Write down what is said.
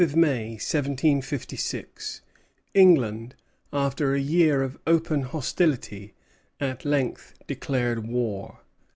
On the eighteenth of May, 1756, England, after a year of open hostility, at length declared war.